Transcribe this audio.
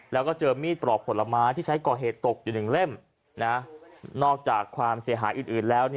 แล้วก็เจอมีดปลอกผลไม้ที่ใช้ก่อเหตุตกอยู่หนึ่งเล่มนอกจากความเสียหายอื่นแล้ว